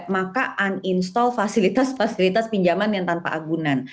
maka uninstall fasilitas fasilitas pinjaman yang tanpa agunan